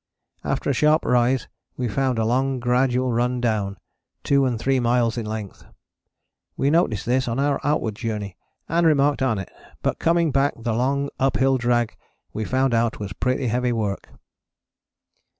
After a sharp rise we found a long gradual run down, two and three miles in length. We noticed this on our outward journey and remarked on it, but coming back the long uphill drag we found out was pretty heavy work.